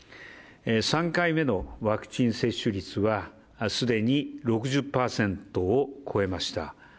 ３回目のワクチン接種率は既に６０％を超えました。